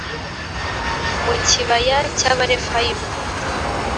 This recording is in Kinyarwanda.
mu kibaya cy’Abarefayimu: